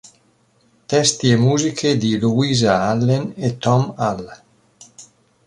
Testi e musiche di Louisa Allen e Tom Hull.